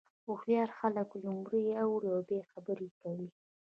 هوښیار خلک لومړی اوري او بیا خبرې کوي.